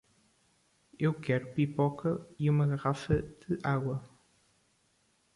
Eu quero pipoca e uma garrafa de água!